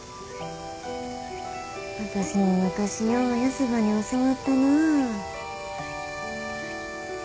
私も昔ようヤスばに教わったな。